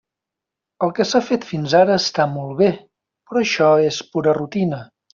El que s'ha fet fins ara està molt bé, però això és pura rutina.